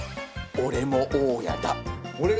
俺も大家。